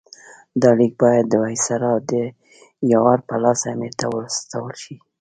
دا لیک باید د وایسرا د یاور په لاس امیر ته واستول شي.